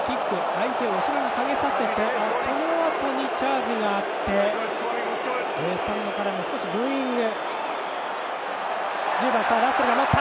相手を後ろに下げさせてそのあとにチャージがあってスタンドからもブーイング。